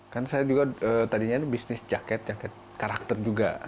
kan saya juga tadinya bisnis jaket jaket karakter juga